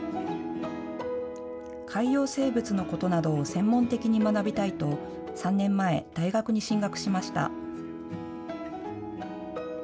海洋生物のことなどを専門的に学びたいと３年前、大学に進学しました。